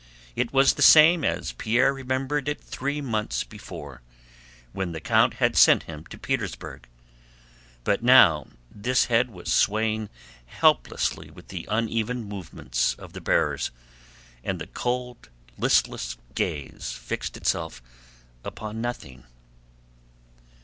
It was the same as Pierre remembered it three months before, when the count had sent him to Petersburg. But now this head was swaying helplessly with the uneven movements of the bearers, and the cold listless gaze fixed itself upon nothing.